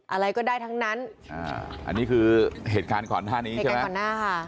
อะไรก็ได้ทั้งนั้นอ่าอันนี้คือเหตุการณ์ก่อนหน้านี้ใช่ไหมก่อนหน้าค่ะ